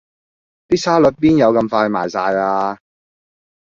啲沙律邊有咁快賣晒呀